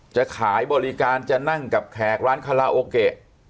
จะขายบริการจะนั่งกับแขกร้านคาราโอเกะ